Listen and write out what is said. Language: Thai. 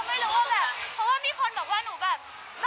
อ้าวน้องก็เห็นจะแสนไม่ได้เสียง